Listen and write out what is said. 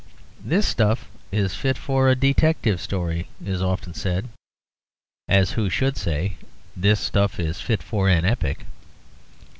'This stuff is fit for a detective story,' is often said, as who should say, 'This stuff is fit for an epic.'